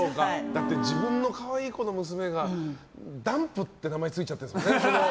だって自分の可愛い娘がダンプって名前ついちゃってるんですもんね。